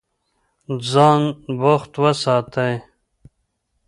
ځان بوخت وساتئ.